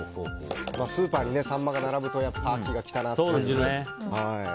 スーパーにサンマが並ぶと秋が来たなと感じますね。